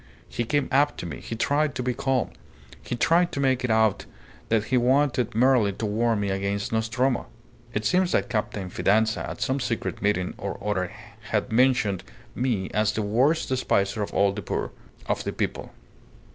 He came up to me. He tried to be calm. He tried to make it out that he wanted merely to warn me against Nostromo. It seems that Captain Fidanza at some secret meeting or other had mentioned me as the worst despiser of all the poor of the people.